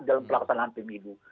dalam pelaksanaan penilu